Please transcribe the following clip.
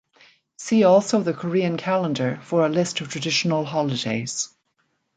See also the Korean calendar for a list of traditional holidays.